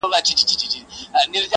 شراب لس خُمه راکړه، غم په سېلاب راکه.